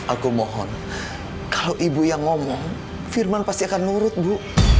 aku mohon kalau ibu yang ngomong firman pasti akan nurut bu